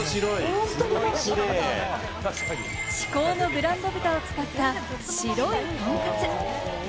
至高のブランド豚を使った白いとんかつ。